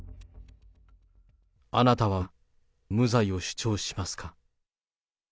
あなたは無罪を主張しますか？